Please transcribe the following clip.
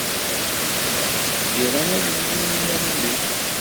Giɣ anadi-inu i yiman-inu.